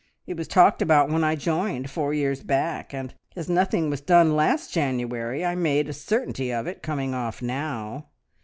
It was talked about when I joined four years back, and as nothing was done last January I made a certainty of it coming off now.